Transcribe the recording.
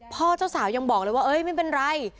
พ่อเจ้าสาวยังบอกเลยว่าไม่เป็นไร